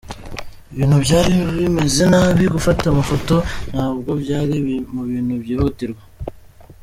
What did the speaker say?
Ibintu byari bimeze nabi, gufata amafoto ntabwo byari mu bintu byihutirwa.”